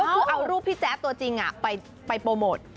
คือเอารูปพี่แจ๊ดตัวจริงไปโปรโมท